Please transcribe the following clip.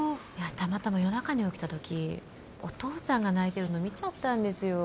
たまたま夜中に起きた時お父さんが泣いてるの見ちゃったんですよ